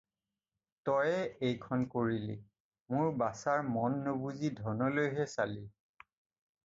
তয়ে এইখন কৰিলি, মোৰ বাছাৰ মন নুবুজি ধনলৈহে চালি।